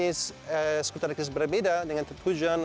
karena ada banyak jenis skuter elektris berbeda dengan tertujuan